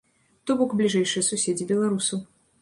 То бок, бліжэйшыя суседзі беларусаў.